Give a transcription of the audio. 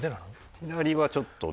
左はちょっとね